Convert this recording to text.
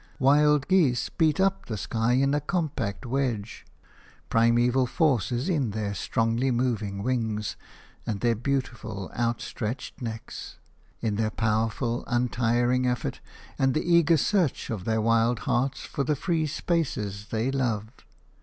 Wild geese beat up the sky in a compact wedge. Primeval force is in their strongly moving wings and their beautiful, outstretched necks, in their power of untiring effort, and the eager search of their wild hearts for the free spaces they love.